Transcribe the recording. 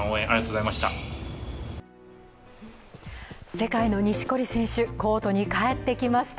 世界の錦織選手、コートに帰ってきました。